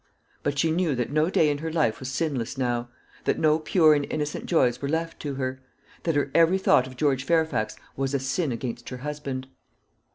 But she knew that no day in her life was sinless now; that no pure and innocent joys were left to her; that her every thought of George Fairfax was a sin against her husband.